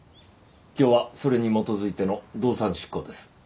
今日はそれに基づいての動産執行です。